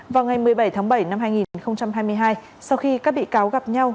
vào ngày một mươi bảy tháng bảy năm hai nghìn hai mươi hai sau khi các bị cáo gặp nhau